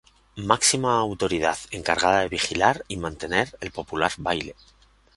Máxima autoridad encargada de vigilar y mantener el popular baile.